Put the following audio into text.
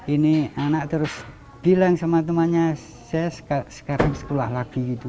ini anak terus bilang sama temannya saya sekarang sekolah lagi gitu